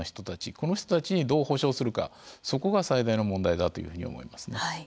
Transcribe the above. この人たちにどう補償するかそこが最大の問題だというふうに思いますね。